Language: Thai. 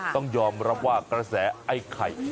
ต้องยอมรับว่ากระแสไอ้ไข่